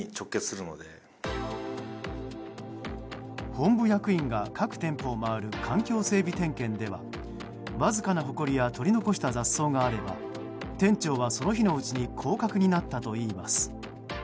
本部役員が各店舗を回る環境整備点検ではわずかなほこりや取り残した雑草があれば店長は、その日のうちに降格になったといいます。